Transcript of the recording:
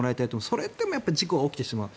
それでも事故はやっぱり起きてしまう。